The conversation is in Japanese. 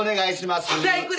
「じゃあいくで」